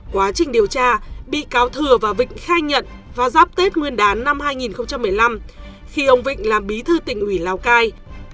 quá trình điều tra bị cáo thừa và vịnh khai nhận vào giáp tết nguyên đán năm hai nghìn một mươi năm khi ông vịnh làm bí thư tỉnh ủy lào cai